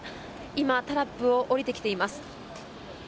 今、タラップを降りてきています。